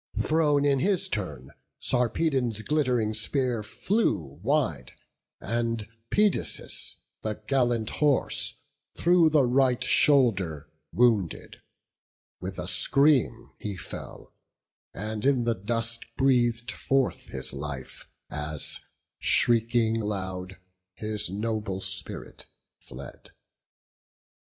Thrown in his turn, Sarpedon's glitt'ring spear Flew wide; and Pedasus, the gallant horse, Through the right shoulder wounded; with a scream He fell, and in the dust breath'd forth his life, As, shrieking loud, his noble spirit fled.